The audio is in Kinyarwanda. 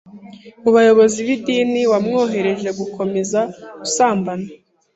mu bayobozi b’idini wamwoheje gukomeza gusambana,